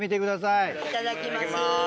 いただきます。